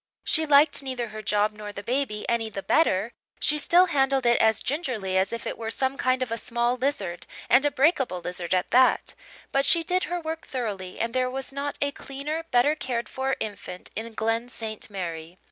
She liked neither her job nor the baby any the better; she still handled it as gingerly as if it were some kind of a small lizard, and a breakable lizard at that; but she did her work thoroughly and there was not a cleaner, better cared for infant in Glen St. Mary.